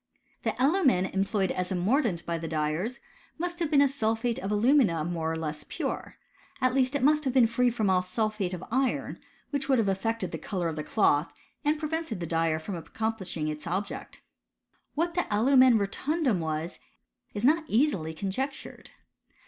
. The alumen employed as a mordant by the dyers, must have been a sulphate of alumina more or less pure ; at least it must have been free from all sulphate of iron, which would have affected the colour of the clothy and prevented the dyer from accomplishing his object.* What the alumen rotundum wb.s, is not easily con jectured.